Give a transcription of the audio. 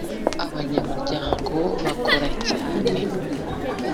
abanyamuryango bakora cyane.